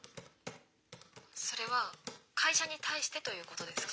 「それは会社に対してということですか？」。